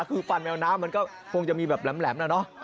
คือฟันแมวน้ำมันก็คงจะมีแบบแหลมนะเนอะ